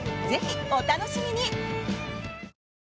ぜひお楽しみに！